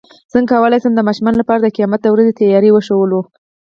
څنګه کولی شم د ماشومانو لپاره د قیامت د ورځې تیاري ښوول